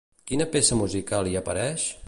Quina peça musical hi apareix?